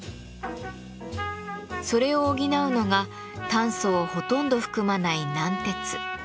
それを補うのが炭素をほとんど含まない軟鉄。